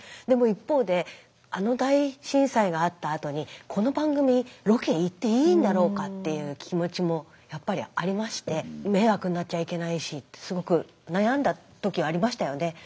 でも一方であの大震災があったあとにこの番組ロケ行っていいんだろうかっていう気持ちもやっぱりありまして迷惑になっちゃいけないしってすごく悩んだ時ありましたよね。